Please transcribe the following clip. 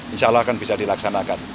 insya allah akan bisa dilaksanakan